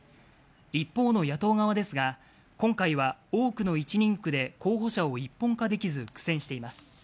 一方の野党側ですが、今回は多くの１人区で候補者を一本化できず苦戦しています。